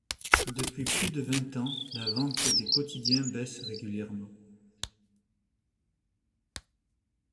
Depuis plus de vingt ans, la vente des quotidiens baisse régulièrement.